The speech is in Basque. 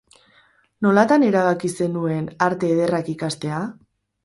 Nolatan erabaki zenuen Arte Ederrak ikastea?